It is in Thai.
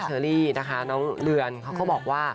เชอรี่นะคะน้องเรือนเขาก็บอกว่า